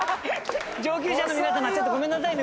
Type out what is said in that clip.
上級者の皆様ごめんなさいね。